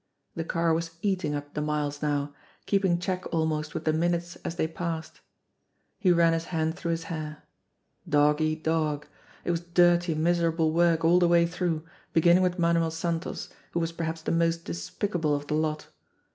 The car was eating up the miles now, keeping check almost with the minutes as they passed. He ran his hand through his hair. Dog eat dog ! It was dirty, miserable work all the way through, beginning with Manuel Santos, who was perhaps the most despicable of the lot.